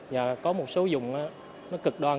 và có một số dùng nó cực đoan